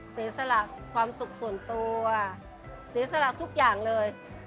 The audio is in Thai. เสียสละความสุขส่วนตัวเสียสละทุกอย่างเลย